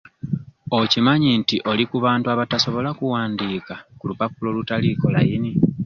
Okimanyi nti oli ku bantu abatasobola kuwandiika ku lupapula olutaliiko layini?